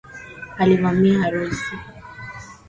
Alivamia harusi